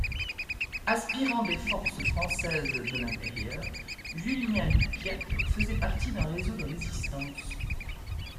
Aspirant des Forces françaises de l'intérieur, Julien Loupiac faisait partie d'un réseau de résistance.